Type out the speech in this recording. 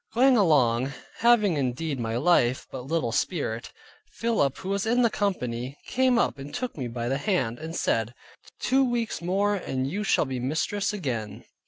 Going along, having indeed my life, but little spirit, Philip, who was in the company, came up and took me by the hand, and said, two weeks more and you shall be mistress again.